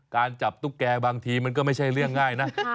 การจับตุ๊กแก่บางทีมันก็ไม่ใช่เรื่องง่ายนะ